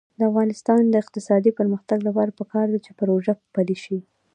د افغانستان د اقتصادي پرمختګ لپاره پکار ده چې پروژه پلي شي.